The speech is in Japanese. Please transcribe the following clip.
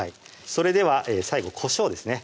それでは最後こしょうですね